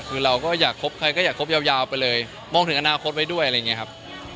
คือเราก็อยากคบใครก็อยากคบยาวไปเลยมองถึงอนาคตไว้ด้วยอะไรอย่างนี้ครับ